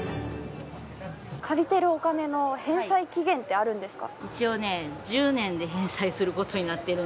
借りてるお金の返済期限ってあるんですか？